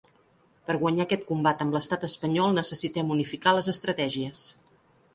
Per guanyar aquest combat amb l’estat espanyol necessitem unificar les estratègies.